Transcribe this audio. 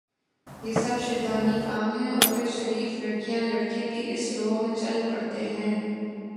یہ سب شیطانی کام ہیں اور پھر شریف لڑکیاں لڑکے بھی اس رو میں چل پڑتے ہیں